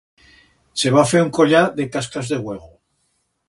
Se va fer un collar de cascas de uego.